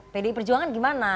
pdi perjuangan gimana